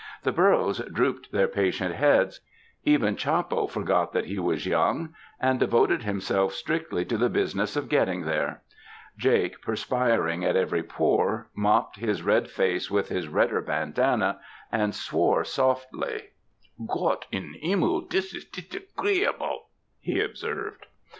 The burros drooped their patient heads; even Chappo forgot that he was young, and devoted himself strictly to the business of ''getting there." Jake, perspiring at every pore, mopped his red face with his redder bandanna and swore softly. "Gott in Himmel, dis is disagree 'ble," he ob served.